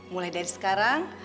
mulai dari sekarang